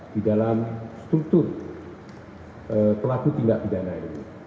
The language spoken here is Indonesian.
di dalam struktur pelaku tindak pidana ini